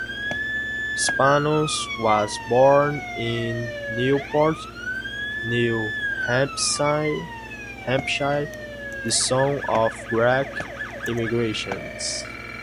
Spanos was born in Newport, New Hampshire, the son of Greek immigrants.